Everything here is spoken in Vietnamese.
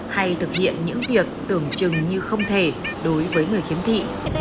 hay thực hiện những việc tưởng chừng như không thể đối với người khiếm thị